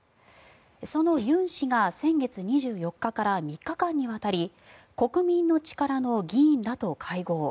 そのユン氏が先月２４日から３日間にわたり国民の力の議員らと会合。